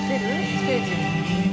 ステージ。